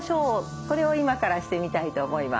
これを今からしてみたいと思います。